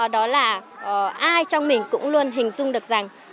đó là ai trong mình cũng luôn hình dung được rằng